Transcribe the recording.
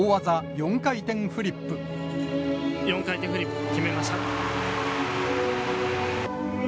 ４回転フリップ、決まりました。